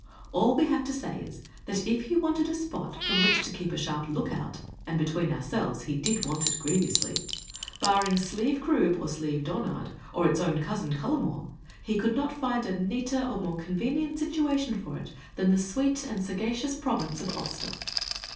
All we have to say is, that if he wanted a spot from which to keep a sharp look out and, between ourselves, he did want it grievously barring Slieve Croob, or Slieve Donard, or its own cousin, Cullamore, he could not find a neater or more convenient situation for it in the sweet and sagacious province of Ulster.